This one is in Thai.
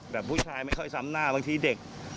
แบบผู้ชายไม่ค่อยซ้ำหน้าบางทีเด็ก